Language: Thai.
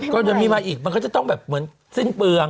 ก็เดี๋ยวมีมาอีกมันก็จะต้องแบบเหมือนสิ้นเปลือง